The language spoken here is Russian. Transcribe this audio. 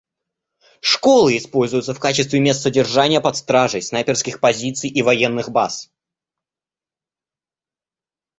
Школы используются в качестве мест содержания под стражей, снайперских позиций и военных баз.